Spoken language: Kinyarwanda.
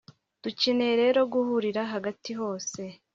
dukeneye rero guhurira hagati hose